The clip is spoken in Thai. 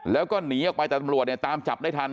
แล้วก็หนีออกไปแต่ตำรวจเนี่ยตามจับได้ทัน